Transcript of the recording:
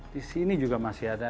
di sini juga masih ada